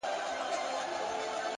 د دوامداره هڅې ځواک ناممکن ماتوي!.